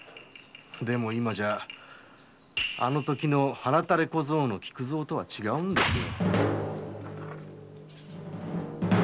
でも今じゃあのときの小僧の菊蔵とは違うんですよ。